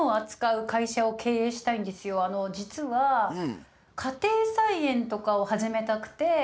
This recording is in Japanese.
実は家庭菜園とかを始めたくて。